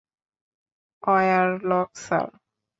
Warlock, sir.